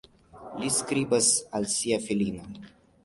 Li skribas al sia filino.